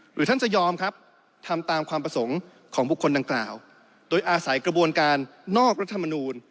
ท่านจะยอมครับทำตามความประสงค์ของบุคคลดังกล่าวโดยอาศัยกระบวนการนอกรัฐมนูล